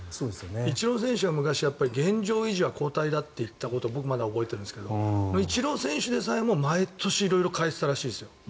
イチロー選手は昔、現状維持は後退だと言ったこと僕まだ覚えているんですがイチロー選手でさえも毎年色々変えていたらしいですよ。